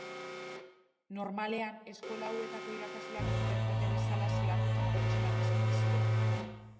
Normalean, eskola hauetako irakasleak interprete bezala ziharduten pertsonak izaten ziren.